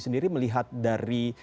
sendiri melihat dari